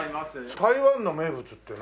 台湾の名物って何？